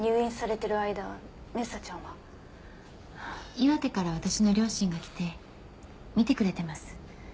岩手から私の両親が来て見てくれてます。